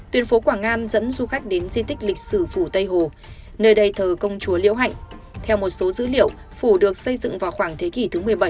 tuyên phố quảng an dẫn du khách đến di tích lịch sử phủ tây hồ nơi đây thờ công chúa liễu hạnh theo một số dữ liệu phủ được xây dựng vào khoảng thế kỷ thứ một mươi bảy